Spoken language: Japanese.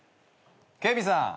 警備さん